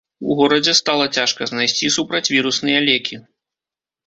У горадзе стала цяжка знайсці супрацьвірусныя лекі.